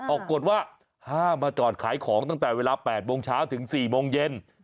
กฎว่าห้ามมาจอดขายของตั้งแต่เวลา๘โมงเช้าถึง๔โมงเย็น